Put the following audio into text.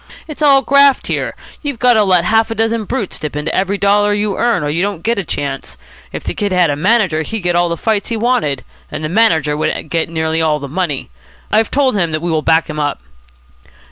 "It's all graft here. You've got to let half a dozen brutes dip into every dollar you earn, or you don't get a chance. If the kid had a manager, he'd get all the fights he wanted. And the manager would get nearly all the money. I've told him that we will back him up."